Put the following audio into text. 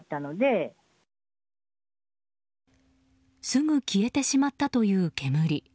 すぐ消えてしまったという煙。